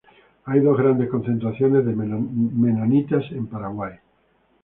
Hay dos grandes concentraciones de menonitas en Paraguay.